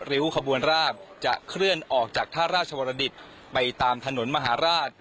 ริ้วขบวนราบจะเคลื่อนออกจากท่าราชวรดิตไปตามถนนมหาราช